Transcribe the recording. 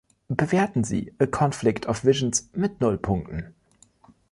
Bewerten Sie „A Conflict of Visions“ mit null Punkten